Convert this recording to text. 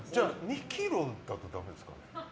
２ｋｇだと、だめですか？